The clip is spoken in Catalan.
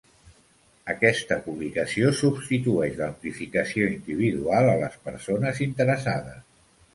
Aquesta publicació substitueix la notificació individual a les persones interessades.